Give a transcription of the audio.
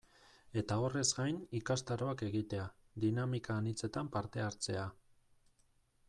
Eta horrez gain ikastaroak egitea, dinamika anitzetan parte hartzea...